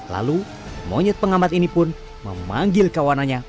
lalu monyet pengamat ini pun memanggil kawanannya